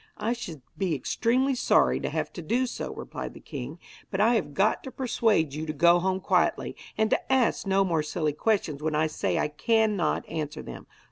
'I should be extremely sorry to have to do so,' replied the king; 'but I have got to persuade you to go home quietly, and to ask no more silly questions when I say I cannot answer them.